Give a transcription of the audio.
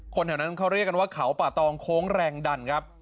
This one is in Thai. แถวนั้นเขาเรียกกันว่าเขาป่าตองโค้งแรงดันครับ